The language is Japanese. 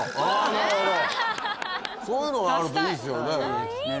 そういうのがあるといいですよね。